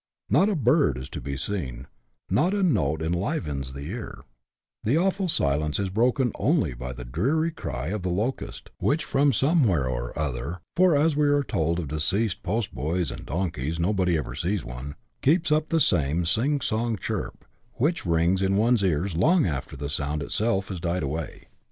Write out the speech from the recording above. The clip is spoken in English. Not a bird is to be seen, not a note enlivens the ear ; the awful silence is broken only by the dreary cry of the locust, which from somewhere or other (for, as we are told of deceased postboys and donkeys, nobody ever sees one) keeps up the same sing sopg chirp, which rings in one's ears long after the sound itself has died away.